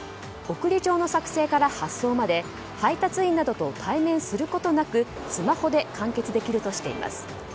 送り状の作成から発送まで配達員などと対面することなくスマホで完結できるとしています。